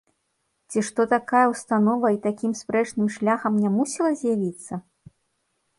Ці што такая ўстанова і такім спрэчным шляхам не мусіла з'явіцца?